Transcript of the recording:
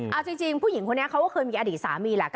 เอาจริงผู้หญิงคนนี้เขาก็เคยมีอดีตสามีแหละ